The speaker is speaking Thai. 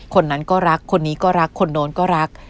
คนนั้นก็รักคนนี้ก็รักคนโน้นก็รัก